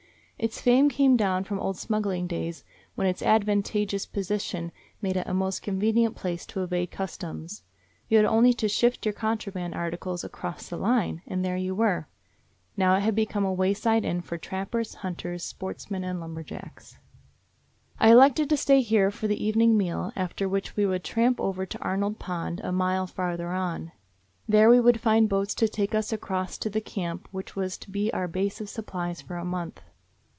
Its fame came down from old smuggling days, when its advantageous position made it a most convenient place to evade customs. You had only to shift your contraband articles across the line, and there you were. Now it had become a wayside inn for trappers, hun ters, sportsmen, and lumberjacks. I elected to stay here for the evening meal, after which we would tramp over to Arnold Pond, a mile farther on. There we would find boats to take us across to the camp which was to be our base of supplies for a month.